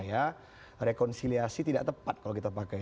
ya rekonsiliasi tidak tepat kalau kita pakai